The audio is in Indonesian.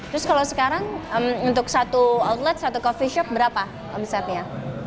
terus kalau sekarang untuk satu outlet satu coffee shop berapa omsetnya